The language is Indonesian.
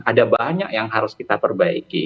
ada banyak yang harus kita perbaiki